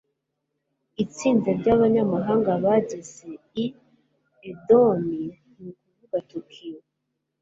Itsinda ryabanyamahanga bageze i Edo, ni ukuvuga Tokiyo.